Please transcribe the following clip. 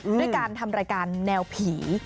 ด้วยการทำรายการแนวผี